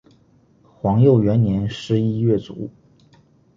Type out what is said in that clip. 皇佑元年十一月卒。